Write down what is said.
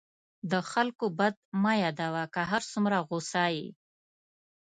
د خلکو بد مه یادوه، که هر څومره غصه یې.